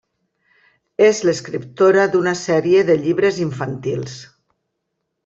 És l'escriptora d'una sèrie de llibres infantils.